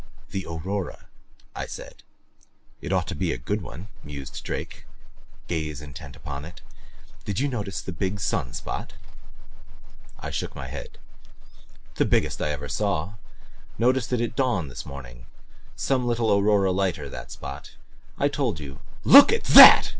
"The aurora," I said. "It ought to be a good one," mused Drake, gaze intent upon it. "Did you notice the big sun spot?" I shook my head. "The biggest I ever saw. Noticed it first at dawn this morning. Some little aurora lighter that spot. I told you look at that!"